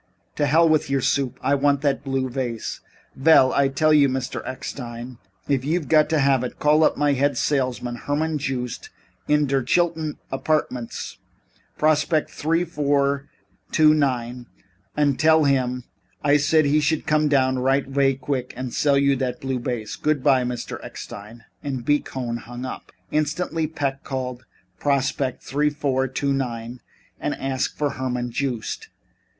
"To hell with your soup. I want that blue vase." "Vell, I tell you, Mr. Eckstein, if you got to have it, call up my head salesman, Herman Joost, in der Chilton Apardments Prospect three two four nine, und tell him I said he should come down right avay qvick und sell you dot blue vase. Goodbye, Mr. Eckstein." And B. Cohn hung up. Instantly Peck called Prospect 3249 and asked for Herman Joost.